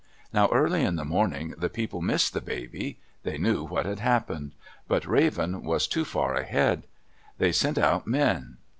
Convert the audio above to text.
Now early in the morning the people missed the baby. They knew what had happened. But Raven was too far ahead. They sent out men.